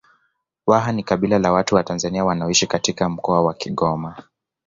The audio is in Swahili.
Waha ni kabila la watu wa Tanzania wanaoishi katika Mkoa wa Kigoma